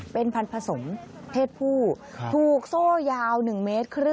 เป็นพันธุ์ผสมเพศผู้ถูกโซ่ยาว๑เมตรครึ่ง